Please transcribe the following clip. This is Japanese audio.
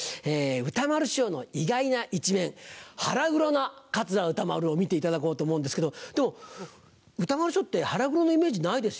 歌丸師匠の意外な一面腹黒な桂歌丸を見ていただこうと思うんですけどでも歌丸師匠って腹黒のイメージないですよね？